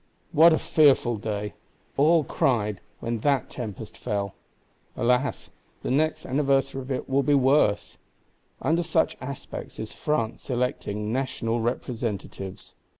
What a fearful day! all cried while that tempest fell. Alas, the next anniversary of it will be a worse. Under such aspects is France electing National Representatives.